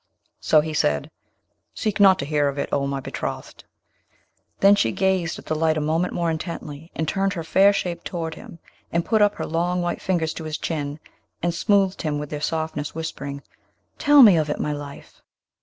So he said, 'Seek not to hear of it, O my betrothed!' Then she gazed at the light a moment more intently, and turned her fair shape toward him, and put up her long white fingers to his chin, and smoothed him with their softness, whispering, 'Tell me of it, my life!'